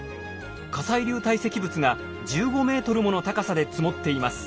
火砕流堆積物が１５ｍもの高さで積もっています。